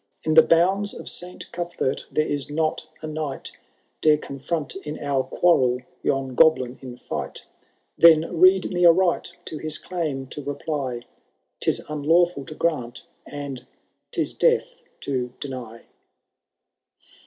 In the bounds of Saint Guthbert there is not a knight Dare confront in our quarrel yon goblin in fight ; Then rede me aright to his claim to reply, 'Tis unlawful to grant, and *tis death to deny.